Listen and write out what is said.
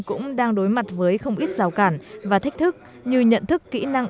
cũng đang đối mặt với không ít rào cản và thách thức như nhận thức kỹ năng